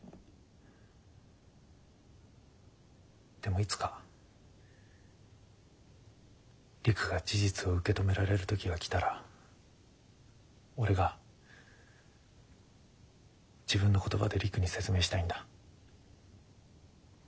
でもいつか璃久が事実を受け止められる時が来たら俺が自分の言葉で璃久に説明したいんだ。